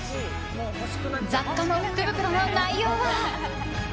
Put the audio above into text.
雑貨の福袋の内容は。